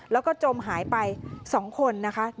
แล้วก็จมหายไป๒คนนะคะ